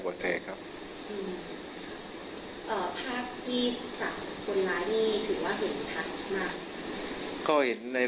ภาพที่จากคนร้ายนี่ถือว่าเห็นฉันมาก